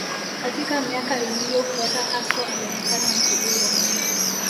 Katika miaka iliyofuata Castro alionekana mtulivu